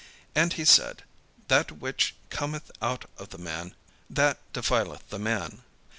And he said, "That which cometh out of the man, that defileth the man.